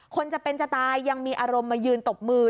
คนจะเป็นจะตายยังมีอารมณ์มายืนตบมือ